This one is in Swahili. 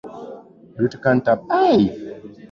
beautician terms huwa tunaziita pores zikiwa zime